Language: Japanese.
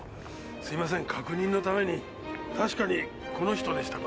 すいません確認のために確かにこの人でしたか？